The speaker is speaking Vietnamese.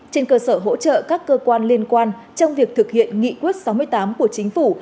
trên cơ sở hỗ trợ các cơ quan liên quan trong việc thực hiện nghị quyết sáu mươi tám của chính phủ